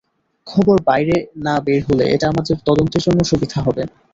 খবর বাইরে না বের হলে এটা আমাদের তদন্তের জন্য সুবিধা হবে।